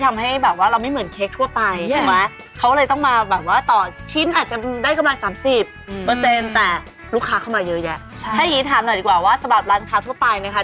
ถ้าอย่างงี้ถามหน่อยดีกว่าว่าสำหรับร้านค้าทั่วไปนะคะ